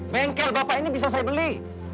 bengkel bapak ini bisa saya beli